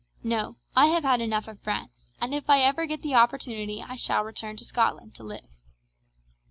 No, I have had enough of France; and if ever I get the opportunity I shall return to Scotland to live."